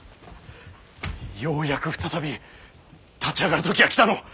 ようやく再び立ち上がる時が来たのう。